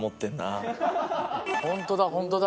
ホントだホントだ。